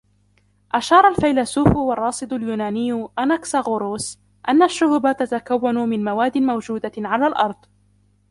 أشار الفيلسوف والراصد اليوناني أناكساغوروس أن الشهب تتكون من مواد موجودة على الأرض